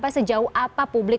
sejauh apa publik